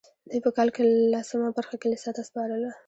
دوی په کال کې لسمه برخه کلیسا ته سپارله.